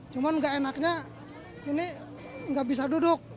cuman gak enaknya ini gak bisa duduk